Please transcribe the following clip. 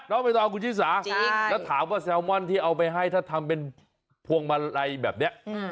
ไม่ต้องคุณชิสาแล้วถามว่าแซลมอนที่เอาไปให้ถ้าทำเป็นพวงมาลัยแบบนี้